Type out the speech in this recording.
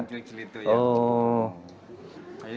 di bedeng klik selitu ya